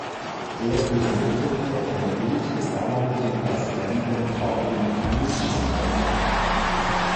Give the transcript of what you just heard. Er übermittelte ein Bild des damaligen Präsidenten Calvin Coolidge nach London.